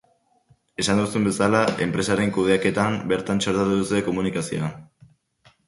Esan duzun bezala, enpresaren kudeaketan bertan txertatu duzue komunikazioa.